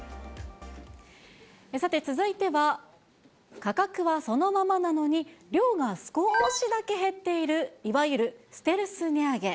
さて、続いては、価格はそのままなのに、量が少しだけ減っている、いわゆるステルス値上げ。